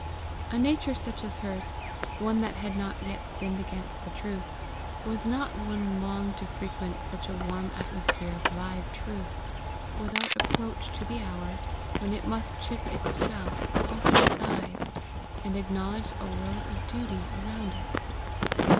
A nature such as hers, one that had not yet sinned against the truth, was not one long to frequent such a warm atmosphere of live truth, without approach to the hour when it must chip its shell, open its eyes, and acknowledge a world of duty around it.